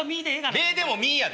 レでもミーやで。